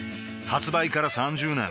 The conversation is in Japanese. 発売から３０年